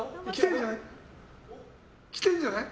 きてんじゃない？